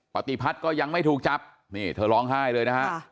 ปฏิพัฒน์ก็ยังไม่ถูกจับนี่เธอร้องไห้เลยนะฮะ